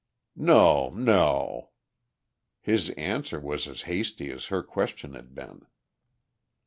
"No, no." His answer was as hasty as her question had been.